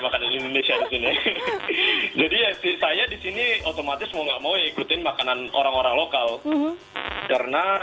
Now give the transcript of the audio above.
makanan indonesia di sini jadi saya disini otomatis mau nggak mau ikutin makanan orang orang lokal karena